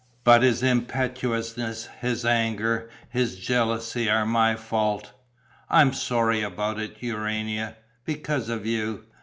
"But his impetuousness, his anger, his jealousy are my fault. I am sorry about it, Urania, because of you.